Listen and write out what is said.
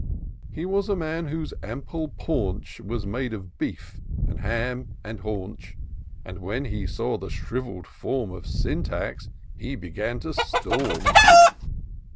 He was a man, whose ample paunch Was made of beef, and ham, and haunch : 270 TOUR OF DOCTOR SYNTAX And when he saw the shrivell'd form Of S3mtax, he began to storm.